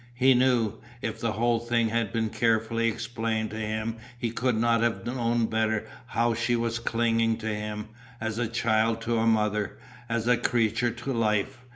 He knew. If the whole thing had been carefully explained to him he could not have known better how she was clinging to him, as a child to a mother, as a creature to life.